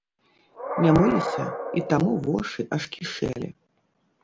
Не мыліся, і таму вошы аж кішэлі.